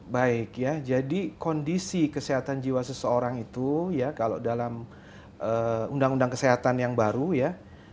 baik ya jadi kondisi kesehatan jiwa seseorang itu ya kalau dalam undang undang kesehatan yang baru ya